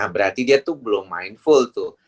berarti dia tuh belum mindful tuh